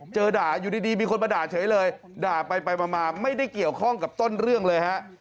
เจอด่าอยู่ดีมีคนมาด่าเฉยเลยด่าไปมาไม่ได้เกี่ยวข้องกับต้นเรื่องเลยฮะ